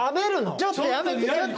ちょっとやめて！